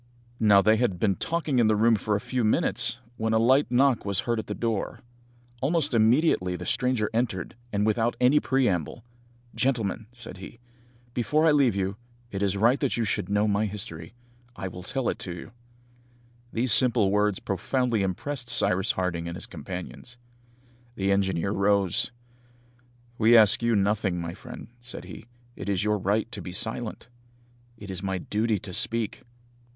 Now, they had been talking in the room for a few minutes, when a light knock was heard at the door. Almost immediately the stranger entered, and without any preamble, "Gentlemen," said he, "before I leave you, it is right that you should know my history. I will tell it you." These simple words profoundly impressed Cyrus Harding and his companions. The engineer rose. "We ask you nothing, my friend," said he, "it is your right to be silent." "It is my duty to speak."